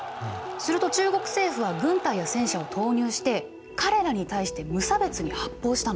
すると中国政府は軍隊や戦車を投入して彼らに対して無差別に発砲したの。